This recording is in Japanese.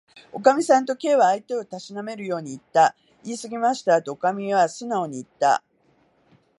「おかみさん」と、Ｋ は相手をたしなめるようにいった。「いいすぎましたわ」と、おかみはすなおにいった。